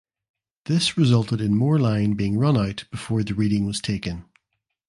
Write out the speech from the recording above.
This resulted in more line being run out before the reading was taken.